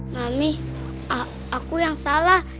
mami aku yang salah